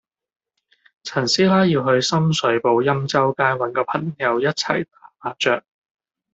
陳師奶要去深水埗欽州街搵個朋友一齊打麻雀